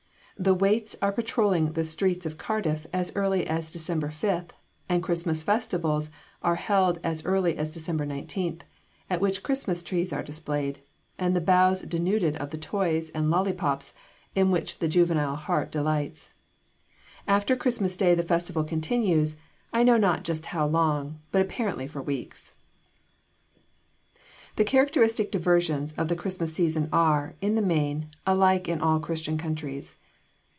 The waits are patrolling the streets of Cardiff as early as December 5th, and Christmas festivals are held as early as December 19th, at which Christmas trees are displayed, and their boughs denuded of the toys and lollipops in which the juvenile heart delights. After Christmas day the festival continues I know not just how long, but apparently for weeks. The characteristic diversions of the Christmas season are, in the main, alike in all Christian countries.